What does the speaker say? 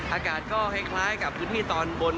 อากาศก็คล้ายกับพื้นที่ตอนบน